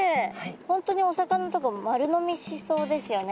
本当にお魚とか丸飲みしそうですよね